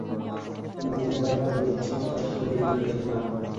কিন্তু যে টাকাটা দিয়েছ তার সাথে বেইমানি করব না।